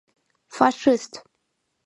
— Фашист!